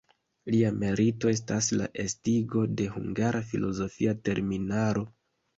Lia merito estas la estigo de hungara filozofia terminaro.